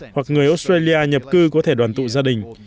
hoặc người australia nhập cư có thể đoàn tụ gia đình